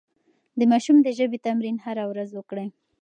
د ماشوم د ژبې تمرين هره ورځ وکړئ.